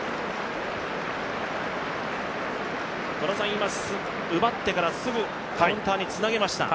今、奪ってからすぐカウンターにつなげました。